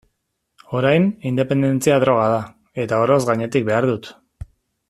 Orain, independentzia droga da, eta oroz gainetik behar dut.